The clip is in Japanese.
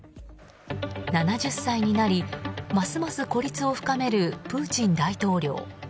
７０歳になり、ますます孤立を深めるプーチン大統領。